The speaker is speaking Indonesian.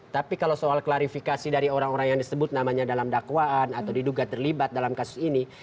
tapi kalau soal klarifikasi dari orang orang yang disebut namanya dalam dakwaan atau diduga terlibat dalam kasus ini